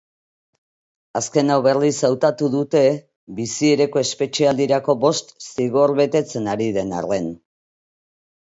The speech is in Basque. Azken hau berriz hautatu dute biziereko espetxealdirako bost zigor betetzen ari den arren.